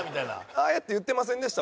ああやって言ってませんでした？